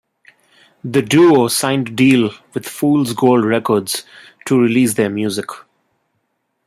The duo signed a deal with Fool's Gold Records to release their music.